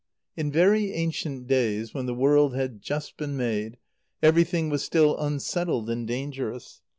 _ In very ancient days, when the world had just been made, everything was still unsettled and dangerous.